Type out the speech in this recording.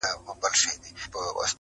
بار يم د ژوند په اوږو ځمه له جنجاله وځم~